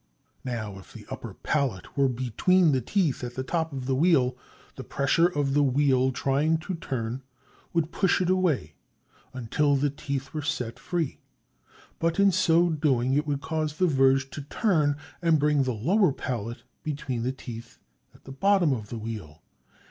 [Illustration: de Vick's Clock] Now, if the upper pallet were between the teeth at the top of the wheel, the pressure of the wheel trying to turn would push it away until the teeth were set free. But, in so doing, it would cause the verge to turn and bring the lower pallet between the teeth at the bottom of the wheel.